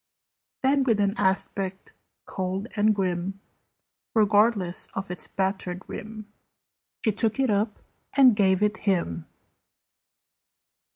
Then, with an aspect cold and grim, Regardless of its battered rim, She took it up and gave it him.